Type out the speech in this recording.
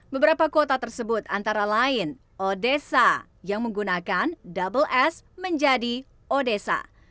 beberapa kota tersebut antara lain odesa yang menggunakan double s menjadi odesa